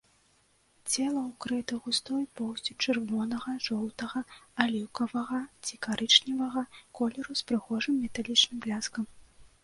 Цела ўкрыта густой поўсцю чырвонага, жоўтага, аліўкавага ці карычневага колеру з прыгожым металічным бляскам.